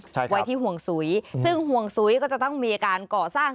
ไว้ที่ห่วงสุยซึ่งห่วงสุยก็จะต้องมีการก่อสร้าง